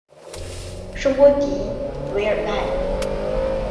圣波迪韦尔奈。